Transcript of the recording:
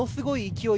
勢い